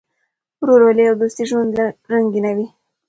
ورورولي او دوستي ژوند رنګینوي.